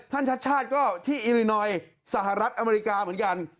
ชัดชาติก็ที่อิรินอยสหรัฐอเมริกาเหมือนกัน